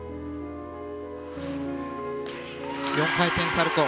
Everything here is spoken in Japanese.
４回転サルコウ。